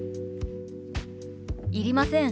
「いりません。